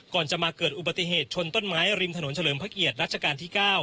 ก่อนจะมาเกิดอุบัติเหตุชนต้นไม้ริมถนนเฉลิมพระเกียรติรัชกาลที่๙